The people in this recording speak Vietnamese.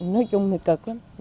nói chung thì cực lắm